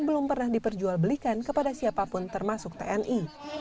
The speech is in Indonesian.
belum pernah diperjual belikan kepada siapapun termasuk tni